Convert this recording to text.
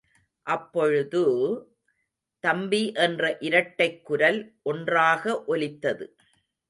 அப்பொழுது... தம்பி என்ற இரட்டைக் குரல் ஒன்றாக ஒலித்தது.